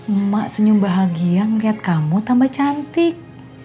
emma senyum bahagia ngeliat kamu tambah cantik